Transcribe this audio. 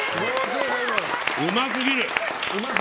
うますぎる！